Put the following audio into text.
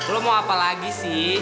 lo mau apa lagi sih